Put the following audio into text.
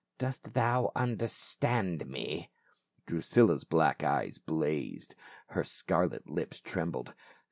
Dost thou understand me ?" Drusilla's black eyes blazed ; her scarlet lips trem bled.